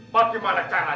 bagaimana caranya jin